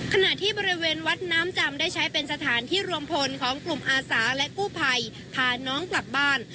ขณะที่บริเวณวัดน้ำจำได้ใช้เป็นสถานที่รวมพลของกลุ่มอาสาและกู้ภัยพาน้องกลับบ้าน